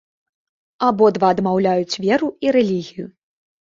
Абодва адмаўляюць веру і рэлігію.